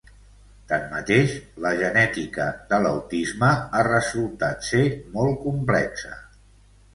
Tanmateix, la genètica de l'autisme ha resultat ser molt complexa.